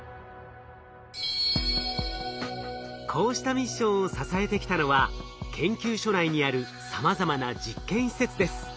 こうしたミッションを支えてきたのは研究所内にあるさまざまな実験施設です。